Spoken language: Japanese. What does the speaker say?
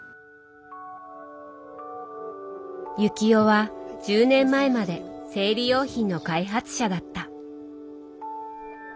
幸男は１０年前まで生理用品の開発者だった。